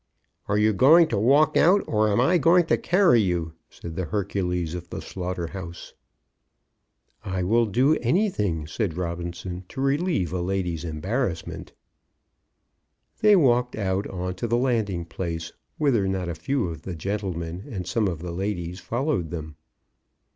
"Are you going to walk out, or am I going to carry you?" said the Hercules of the slaughter house. "I will do anything," said Robinson, "to relieve a lady's embarrassment." They walked out on to the landing place, whither not a few of the gentlemen and some of the ladies followed them.